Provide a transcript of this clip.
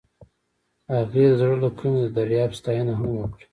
هغې د زړه له کومې د دریاب ستاینه هم وکړه.